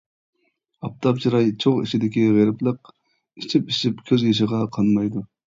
ئاپتاپ چىراي چوغ ئىچىدىكى غېرىبلىق، ئىچىپ-ئىچىپ كۆز يېشىغا قانمايدۇ.